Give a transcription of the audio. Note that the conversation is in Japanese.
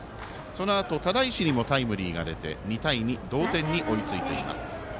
そのあと只石にもタイムリーが出て、２対２同点に追いついています。